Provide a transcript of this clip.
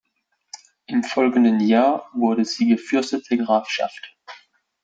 Im folgenden Jahr wurde sie gefürstete Grafschaft.